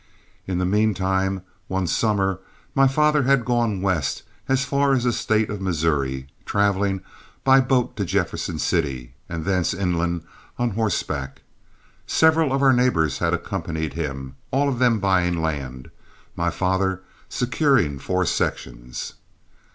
In the mean time, one summer my father had gone west as far as the State of Missouri, traveling by boat to Jefferson City, and thence inland on horseback. Several of our neighbors had accompanied him, all of them buying land, my father securing four sections.